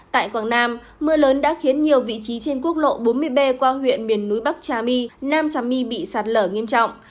tại quảng nam mưa lớn đã khiến nhiều vị trí trên quốc lộ bốn mươi b qua huyện miền núi bắc trà my nam trà my bị sạt lở nghiêm trọng